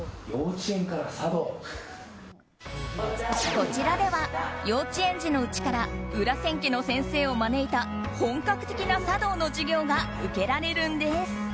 こちらでは幼稚園児のうちから裏千家の先生を招いた本格的な茶道の授業が受けられるんです。